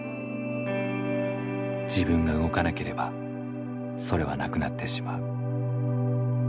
自分が動かなければそれはなくなってしまう。